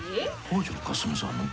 北條かすみさんの？